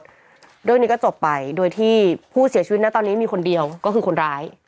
เรื่องนี้ก็จบไปโดยที่ผู้เสียชีวิตนะตอนนี้มีคนเดียวก็คือคนร้าย